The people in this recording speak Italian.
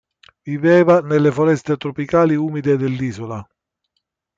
Viveva nelle foreste tropicali umide dell'isola.